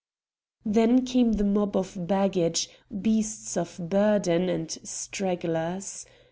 Then came the mob of baggage, beasts of burden, and stragglers.